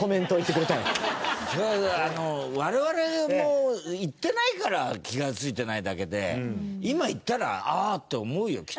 我々も行ってないから気が付いてないだけで今、行ったらああーって思うよ。